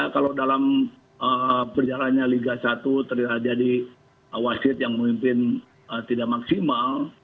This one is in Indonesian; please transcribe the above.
kalau dalam perjalanannya liga satu terjadi wasit yang memimpin tidak maksimal